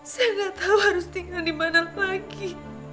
saya gak tau harus tinggal dimana lagi